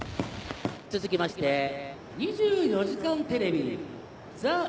続きまして、２４時間テレビＴＨＥ